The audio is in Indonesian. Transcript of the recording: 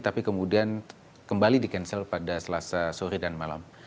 tapi kemudian kembali di cancel pada selasa sore dan malam